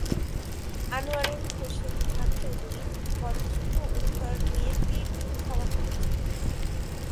আনোয়ারুল হোসেন খান চৌধুরী ময়মনসিংহ উত্তর বিএনপির সভাপতি ছিলেন।